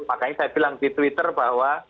makanya saya bilang di twitter bahwa